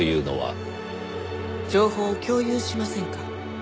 情報を共有しませんか？